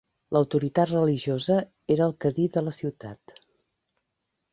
L'autoritat religiosa era el cadi de la ciutat.